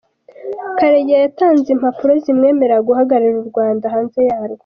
Karega yatanze impapuro zimwemerera guhagararira u Rwanda hanze yarwo